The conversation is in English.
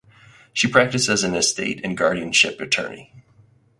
She practiced as an estate and guardianship attorney.